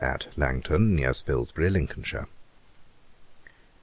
AT LANGTON, NEAR SPILSBY, LINCOLNSHIRE.